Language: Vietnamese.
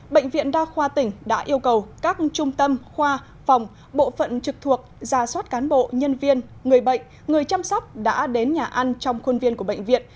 bệnh viện đa khoa tỉnh đã yêu cầu các trung tâm khoa phòng bộ phận trực thuộc gia soát cán bộ nhân viên người bệnh người chăm sóc đã đến nhà ăn trong khuôn viên của bệnh viện